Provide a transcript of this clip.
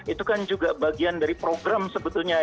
itu kan juga bagian dari program sebetulnya